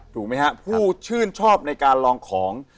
ถูกไหมฮะผู้ชื่นชอบในการลองของ